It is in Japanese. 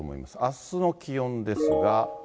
あすの気温ですが。